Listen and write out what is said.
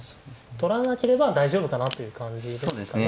取らなければ大丈夫かなという感じですかね。